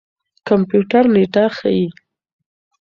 کمپيوټر نېټه ښيي.